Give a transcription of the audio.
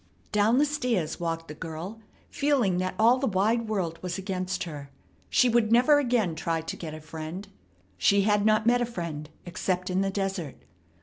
Down the stairs walked the girl, feeling that all the wide world was against her. She would never again try to get a friend. She had not met a friend except in the desert.